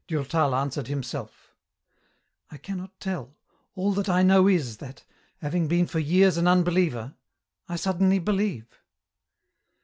Durtal answered himself :" I cannot tell, all that I know is that, having been for years an unbeliever, I suddenly believe.